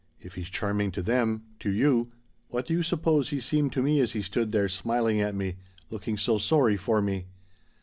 If he's charming to them to you what do you suppose he seemed to me as he stood there smiling at me looking so sorry for me